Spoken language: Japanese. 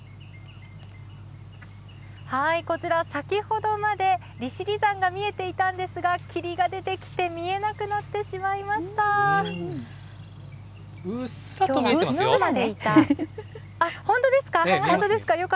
こちら、先ほどまで利尻山が見えていたんですが、霧が出てきて見えなくなうっすらと見えてますよ。